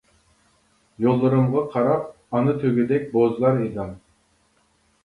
يوللىرىمغا قاراپ ئانا تۆگىدەك بوزلار ئىدىڭ.